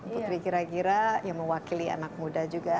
putri kira kira yang mewakili anak muda juga